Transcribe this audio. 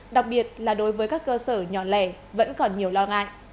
đặc biệt là đối với các cơ sở nhỏ lẻ vẫn còn nhiều lo ngại